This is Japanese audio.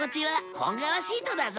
本革シートだぞ！